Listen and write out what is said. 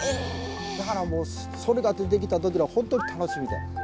だからもうそれが出てきた時は本当に楽しみで。